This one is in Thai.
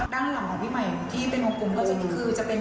ด้านหลังของพี่ใหม่ที่เป็นครอบครุมก็คือจะเป็นศักดิ์ชื่อตัวเอง